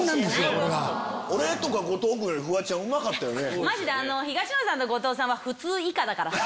俺とか後藤君よりフワちゃんうまかったよね。